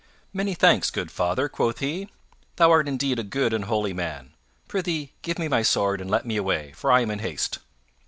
"Many thanks, good father," quoth he. "Thou art indeed a good and holy man. Prythee give me my sword and let me away, for I am in haste."